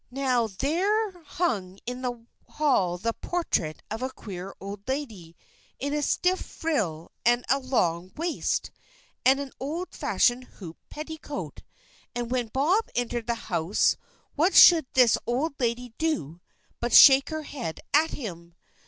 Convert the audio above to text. Now there hung in the hall the portrait of a queer old lady in a stiff frill and a long waist, and an old fashioned hoop petticoat; and when Bob entered the house what should this old lady do but shake her head at him!